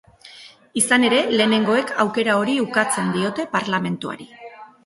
Izan ere, lehenengoek aukera hori ukatzen diote parlamentuari.